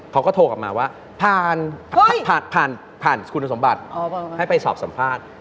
เขาก็โทรกลับมาว่าผ่านคุณสมบัติให้ไปสอบสัมภาษณ์